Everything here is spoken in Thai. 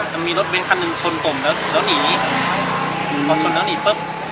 มันมีรถเป็นคันหนึ่งชนต่ผมแล้วแล้วหนีอืมพอชนแล้วหนีปึ๊บ